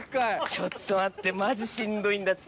ちょっと待ってマジしんどいんだって。